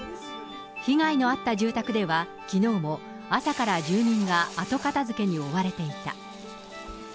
被害のあった住宅では、きのうも朝から住民が後片づけに追われていた。